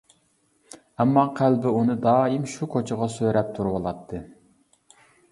ئەمما قەلبى ئۇنى دائىم شۇ كوچىغا سۆرەپ تۇرۇۋالاتتى.